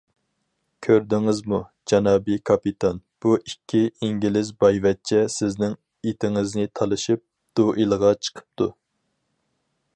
كۆردىڭىزمۇ، جانابى كاپىتان، ئۇ ئىككى ئىنگلىز بايۋەچچە سىزنىڭ ئىتىڭىزنى تالىشىپ، دۇئېلغا چىقىپتۇ!